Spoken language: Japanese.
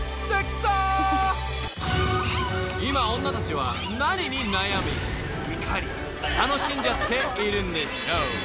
［今オンナたちは何に悩み怒り楽しんじゃっているんでしょう］